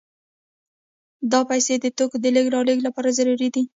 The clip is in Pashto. دا پیسې د توکو د لېږد رالېږد لپاره ضروري دي